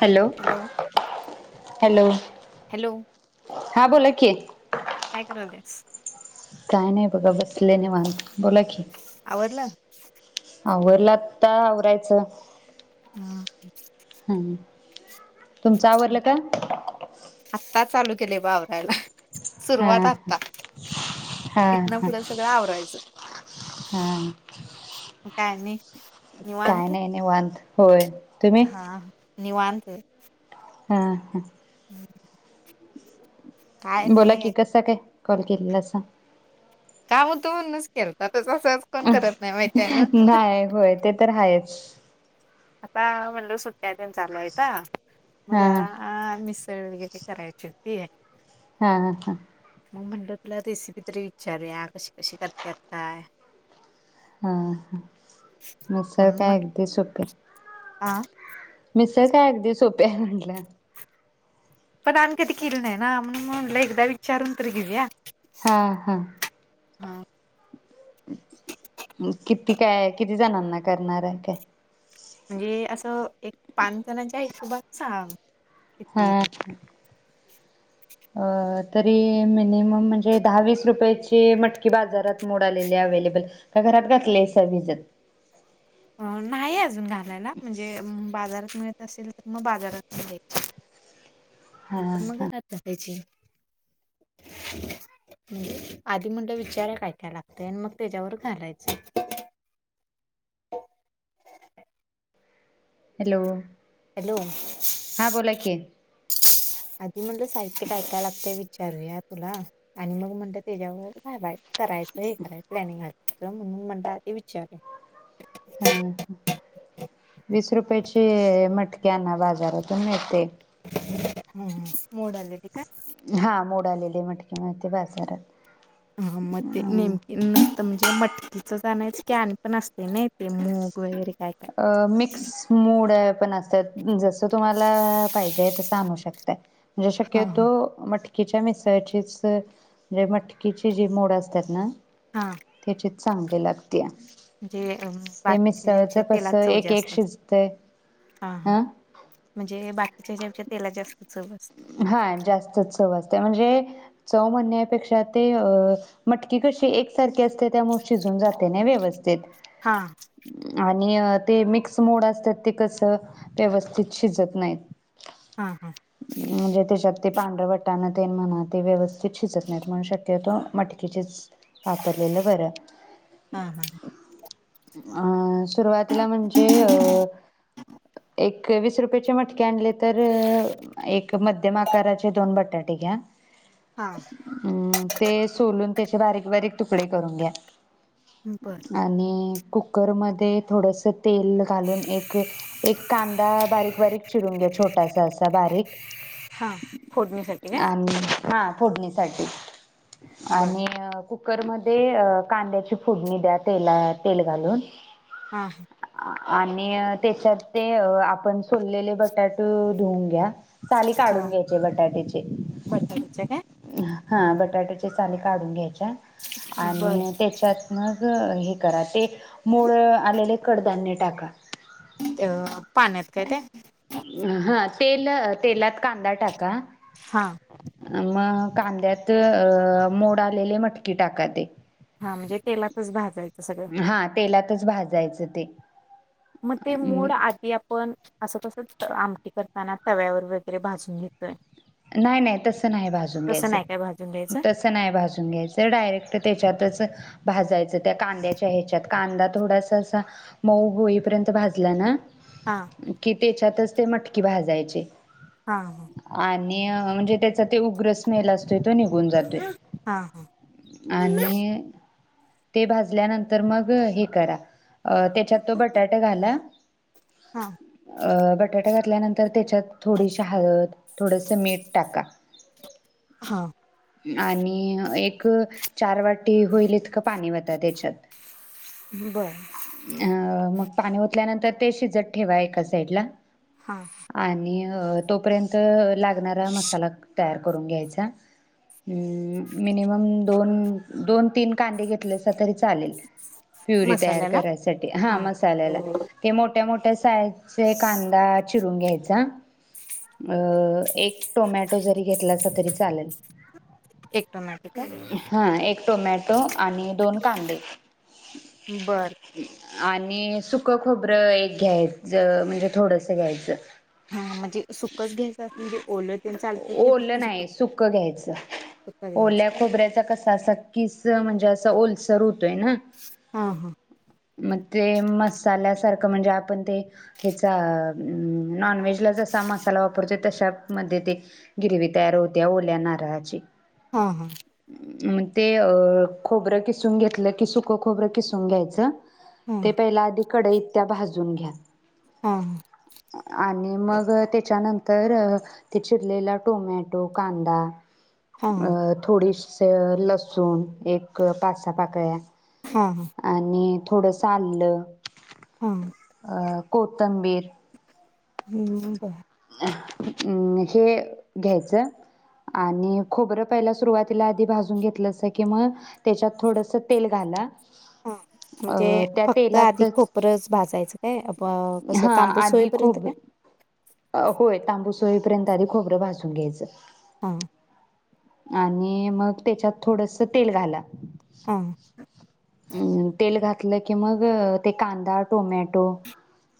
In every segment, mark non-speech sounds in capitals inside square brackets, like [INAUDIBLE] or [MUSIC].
Hello hello hello हा बोला की, काय करालत्यास काय नाय बघा बस सले निवांत बोला की, आवरलं आवरल आत्ता आवरायचं हा हम्म तुमचं आवरल का? आत्ता चालू केलेय ब आव वरायला हा सुरुवात आता हा इथन हा पुढं सगळं आवरायचं हा म काय नई काय निवांत नाही निवांत होय. तुम्ही हा निवांत हा हं! [UNINTELLIGIBLE] काय बोला की नाही कसा काय? कॉल केलेलासा. काम होत म्हणुनच केलतात. नाही होय ते तर आहेच. आता म्हणलं सुट सुट्या तेन चालू हायता मग हा जरा अ मिस वेगवेगळी करायची होती. हा हा हा! म्हणलं तुला रेसिपी तरी विचारूया कशी, कशी करत्यात काय हा मीसळ काय अगदी सोपे. आ! मिसळ काय अगदी सोपी हाय म्हटलं. पण आमी कधी किली नाहीय ना, म्हणून म्हणलं एकदा विचारून तरी घेऊया. हा हा! हा! हं कित ती काय किती जणांना करणार, आहे काय. म्हणजे असं एक पाच जणाच्या आहे. सांग? हा! किती हे. तरी मिनिमम म्हणजे दहावीस रुपयाची मटकी, बाजारात मोड आलेली अवेलेबल का घरात घातलेयसा भिजत. अ नाही अजून घालायला म्हणजे बाजार मिळत असेल म बाजारातुन घ्यायची. हा हे तर मग घरात आहे. आधी म्हटलं विचारा काय, काय लागतय आणि मग त्याच्यावर घालायचं. हॅलो हा बोला [UNINTELLIGIBLE] की [UNINTELLIGIBLE] म्हणलं साहित्य काय, काय लागतेय. विचारूया तुला आणि मग म्हणत त्याच्यावर घालाय. करायचं हे करायंच हे प्लॅनिंग आज. म्हणून म्हणटात ते विचार. हा वीस रुपयाची म्हट ते आणा बाजारातून मिळतंय. हम्म मोड आलेले काय हा मोड आलेली मटकी मिळती बाजारात हम्म म ते नेमकी म्हणजे मटकीच आणायचं की आणि पण असतय नाइ ते मूग वगैरे काय काय. अ मिक्स मूड पण असतात जसं तुम्हाला पाहिजे तस आणू शकताय म्हणजे हा हा. शक्यतो मट कीच्या मिसळचीच म्हजे मटकीची जी मोड असत्यात ना हा. त्याचीच चांगली लाग जे बाकीचे जे अशे कस एक एक शिजतेय अं त्याजापेक्षा तेला जास्त चव अस हा जास्त चव असते म्हणजे चव म्हणण्यापेक्षा ते मटकी कशी एकसार की असते त्यामुळे शिजून जाते नाय व्य वस्थित हा. आणि ते मिक्स मोड असत्यात ते कस व्यवस्थित शिजत नाहीत. हा हा म्हणजे त्याच्यात ते पांढरं वाटण तेन म्हणा ते व्यवस्थित शिजत नाहीत म्हणून शक्यतो मटकीेचीच वापरलेला बर हां, हां. अं सुरुवातीला म्हणजे अ एक वीस रुपययाचे मटककी आणली तर एक मध्यम आकाराचे दोन बटाटे घ्या. हा. अ ते सोलून त्याचे बारीक बारीक तुकडे करून घ्या. बरं. आणि कुकरमध्ये थोडंसं तेल घालून एक एक कांदा बारीक बारीक चिरून घ्या छो छोटासा असा बारीक हां, फोडणीसाठी काय? आणि हा फोडणीसाठी बरं. आणि अं कुक कुकरमध्ये कांद्याची फोडणी द्या तेला तेल घालून. हा आणि त्याच्यात ते आपण सोडलेले बटाटू धुऊन घ्या. साली काढून हां. घ्यायचे बटाट्याचे बटाट्याच्या काय? हा ब बटाट्याची साली काढून घ्यायचे. बरं. आणि त्याच्यातन हे करा ते मूळ आलेले कडधान्य टाका. अ, पाण्यात काय ते हा तेल तेलात कांदा टाका. हा. मग कांद्यात मोड आलेले मटकी टाका ते हा म्हणजे तेलातच भाजाय हा हा तेलातच भाजायचं ते म ते मोड आदि आप पण असं तसं आमटी करताना तव्यावर वगैरे भाजून घेतोय. नाही नाही तस नाही भाजून तसं घ्यायचं, नाही काय भाजून घ्यायचं? तस नाही भाजून घ्यायचं, डायरेक्ट त्याच्यातच भाजयचं त्या कांद्याच्या ह्याच्यात कांदा थोडासा असा मऊ होईपर्यंत भाजला ना हां, कि त्याजी त्यातच ते मटकी भाजायची हा हा आणि म्हणजे त्याचं ते उग्र स्मेल असतो. असतोय तो निघून जातोय हां, हां. आणि ते भाजल्यानंतर मग हे करा. अ त्याच्यात तो बटाट घाला. हां, अ बटाट घातल्यानंतर त्याच्यात थोडीशी हळद थोडंसं मीठ टाका. हा आणि एक चार वाटी होईल इतकं पाणी वता तेच्यात बरं मग पाणी ओतल्यानंतर ते शिजत ठेवा एका साईडला हां. आणि अ तोपर्यंत त ला गणारा मसाला तयार करून घ्यायचा अम्म मिनिमम दोन दोन तीन कांदे घेतलेस सा तरी चालेल प्युरी तयार मसाल्याला करायसाठी हा मसाल्याला ते मोट त्या मोठ्या सायेत कसंय कांदाच चिरून घ्यायचा. अ अ अ अ एक टोमॅटो जरी घेतलासा तरी चालल. एक टोमॅटो काय हा एक टोमॅटो आणि दोन कांदे बर आणि सुक खोबरं एक घ्यायच म्हणजे थोडस घ्यायचं हा म्हणजे सुकच घ्यायचं असेल म्हणजे ओलं तेन चालतंय की फक्त ओलं नाही सुक घ्यायचं सुकच घ्यायचं ओल्या काय खोबऱ्याचा कसा असा किस म्हणजे असं ओलसर होतोय ना. हा हा म ते मसाल्यासारखं म्हणजे आपण ते हेचा अ अं नॉन व्हेजला जसा मसा ते तशात मधे ते गिरवी तयार होत्या ओल्या नारळाची हा हा म ते अ खोबरं किसून घेतलं की, सुकं खोबरं किसून घ्यायचं. हं ते पहिल आधी कडईत त्या भाजून घ्या. हा हा आणि मग ते त्यानंतर अ ते चिरलेला टोमॅटो, कांदा हा अ थोडीशी अस लसूण एक पाच सा पाकळ्या हा हा आणि थोडंस आल्ल हा अ कोतंबीर हम्म ब अम् हे घ्यायचं आणि अ खोबरं पहिला सुरुवातीला आधी भाजून घेतलंसा की म त्याच्यात थोडस तेल घाला ह म्हणजे अ त्या फक्त आधी तेलातच खोबरंच भाजायचं काय अब असं तांबूस होईपर्यंत काय? अ होय तांबूस होईपर्यंत आधी खोबरं भाजुन घ्यायचं. हा आणि मग तेच्यात थोडस तेल घाला आहा हम्म तेल घातलं की मग अ ते कांदा टोमॅटो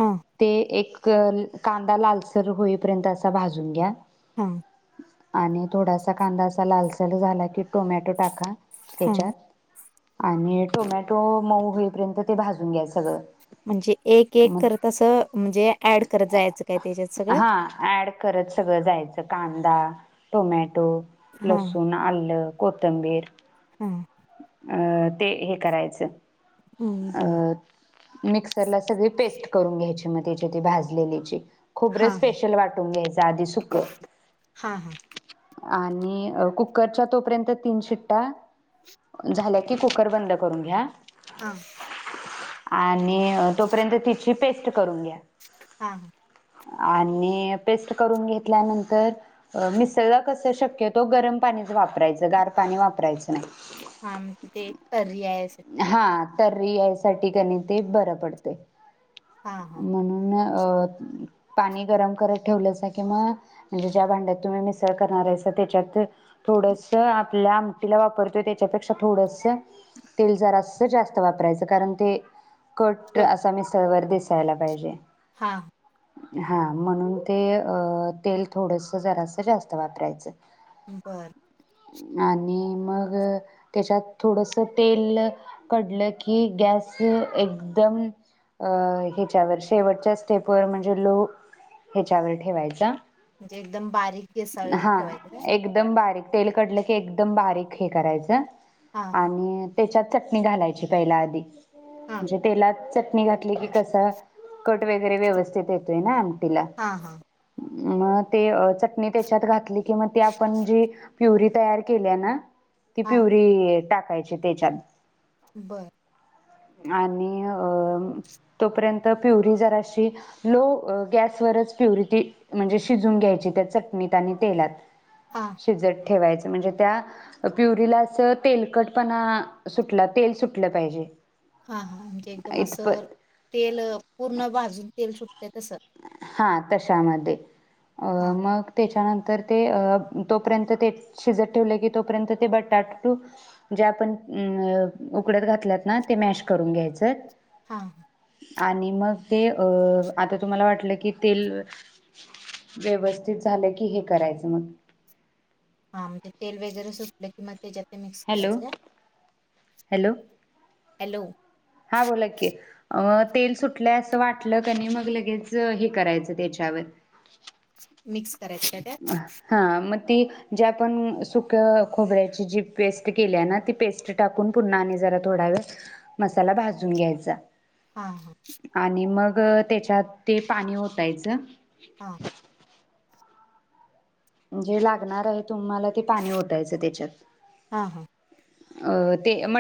हा ते एक [UNINTELLIGIBLE] लालसर होईपर्यंत असा भाजून घ्या. हा आणि थोडासा कांदा असा लालसाल झाला की, टोमॅटो टाका. त्यांच्यात हा आणि टोमॅटो मऊ होईपर्यंत ते भाजून घ्याय सगळं म्हणजे एक एक करत मग असं म्हणजे ऍड करत जायचं काय? त्याच्यात सगळं हा ऍड करत सगळं जायचं कांदा टोमॅ टो हा लसूण आलं. कोथिंबीर [INAUDIBLE] अ ते हे करायचं. हम् बरं मिक्सर ला सगळी पेस्ट करून घ्यायची मग त्याची ती भाजलेलेची खोबरं हा स्पेशल वाटून घ्यायचं आधी सुकं हा हा आणि कुकरच्या तोपर्यंत तीन शिट्टा झाल्या की कुकर बंद करून घ्या. हा आणि तोपर्यंत तिची पेस्ट करून घ्या. हा आणि पेस्ट करून घेतल्यानंतर मिसळला कसं शक्यतो गरम पाणीच वापरायचं गार पाणी वापरायचं नाही. हा म तिथे एक परी हाय. हा तर रियाजसाठी कणी ते बरं पडतंय. हां हां म्हणून अ पाणी गरम करत ठेवलंसा की म म्हणजे ज्या भांड्यात तुम्ही मिसळ करणार आहेसा त्याच्यात थोडसं आपल्या आमटीला वापरतोय त्याच्यापेक्षा थोडसं तेल जरा अस जास्त वापरायचं कारण ते कोट कट असा मिसळवर जायला पाहिजे. हां हा म्हणून ते अ तेल थोडस जरास जास्त वापरायचं. बरं आणि मग त्यांच्यात थोडस तेल कडलं की गॅस एकदम अं ह्याच्यावर शेवटच्या स्टेपवर म्हणजे लो ह्याच्यावर ठेवायचा. एकदम बारीक केसाळ हा ठेवायचं काय? एकदम बारीक तेल कढलं की एकदम बारीक हे करायचं हां हां आणि तेच्यात चटणी घालायची पहिला आधी हां म्हणजे तेलात चट चटणी घातली की कसं कट वगैरे व्यवस्थित येतोय ना. आमटीला हा हा मग ते चट नी तेच्यात घातली कि म ते आपण जी प्युरी तयार केलीया ना ती हां प्युरी टाक कायची तेच्यात बरं आणि आ मीठ आणि तेलात हां शिजलं ठेवायच म्हणजे त्या आ हा हा म्हणजे एकदम असं ते तसं हा तशामध्ये हां अगं तर ते हा आणि मग ते अ आता तुमला वाटलं की तेल हा म्हणजे तेल वगैर सुटलं कि मग तेच्यात ते मिक्स हॅलो करायचं काय हॅलो हॅलो हा बोला की तेल सुटलंय असं वाटलं कनी मग लगेच [INAUDIBLE] मिक्स करायच काय त्यात हा मग ती जे आपण सुक खोबऱ्याची जी पेस्ट हा ग तेच्यात ते पाणी ओतायचं हा जे लागणार आहे तुम्हाला ते पाणी ओतायचं तेच्यात हां हां अगं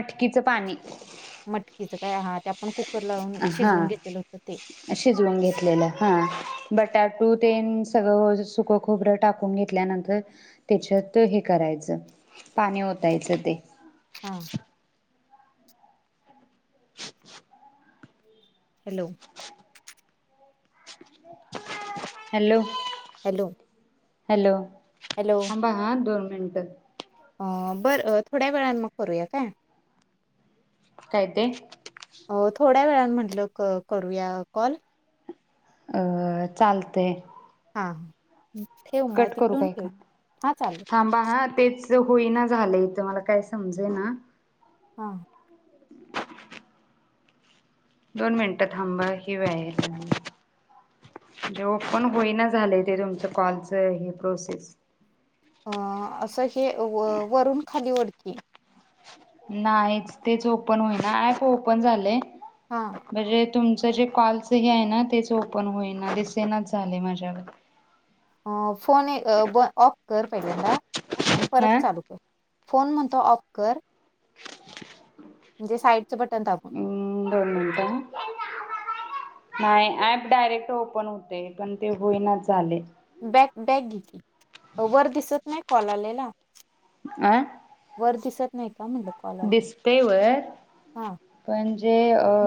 मटकीच काय आपण कुकर लावून शिजवून घेतलेलं होतं ते हा बटाट हा hello hello hello hello hello थांबा हा दोन मिनटं अ अ बर थोड्या वेळान मग करूया काय? काय ते हो थोड्या वेळानं म्हटलं क करूया कॉल अअ चालतय हां ह कट करू का चालेल हिकंडनं थांबा हा तेच ते होई ना झालंय हित मला काय समजना हा दोन मिनिटं थांबा हे [UNINTELLIGIBLE] म्हणजे ओपन होईना झालय ते तुमच कॉलच हे प्रोसेस अ असं हे व वरून खाली ओढ की, नाहीच तेच ओपन होईना ॲप ओपन झालय हा म्हजे तुमच जे कॉल्सच हे आहे ना तेच ओपन होईना दिसेनाच झालय माझ्यावर अं फोन ये अ ब ऑफ कर पहिल्यांदा आणि हा. परत चालू कर फोन म्हणतो ऑफ कर म्हणजे साईड अं दोन मिनटं हं नाही ऍप डायरेक्ट ओपन होतय पण ते होईनाच झालय. बॅक बॅक घे की, अ वर दिसत नाहीत कॉल आलेला आ वर दिसत नाही. का म्हटलं कॉल आलेला दिसतयं वर हा पण जे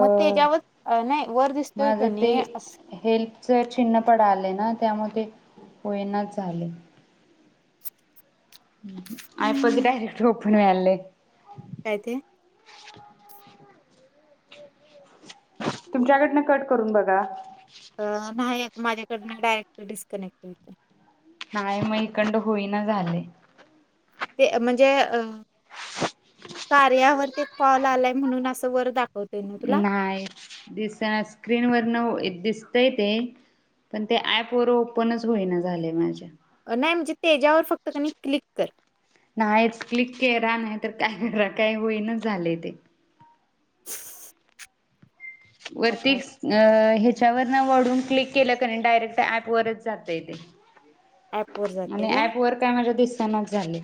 मग त्याच्यावर अं, नाही वर दिसतोय माझ का ते नाही अस हेल्पच चिन्ह पड आलंय ना त्यामुळ ते होईनाचं झालय. अँप [UNINTELLIGIBLE] काय ये झोप मिळालंय. काय ते [INAUDIBLE] तुमच्याकडनं कट करून बगा. अ न्ह्यायेत माझ्याकडन डायरेक्ट डिस्कनेक्ट होतय. नाही म इकडना होईना झालय. ते म्हणजे अ कार्यावर ते कॉल आलाय म्हणून अस वर दा नाय दिसना स्क्रीन वर न दिस दिसतय ते पण ते ऍप वर ओपनच होईना झालय माझ्या नाय म्हणजे तेच्यावर फक्त कनाय् क्लिक कर नाहीच क्लिक केरा नाही तर काय करा काय होईनाच झालय ते वरती आता अ अ हे त्याच्यावर न वळून क्लिक केलं क डायरेक्ट ऍप वरच जातय ते ॲपवर जाते आणि ऍप वर काय माझ्या दिस त्यांनाच झालेय.